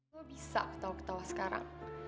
gue bisa ketawa ketawa sekarang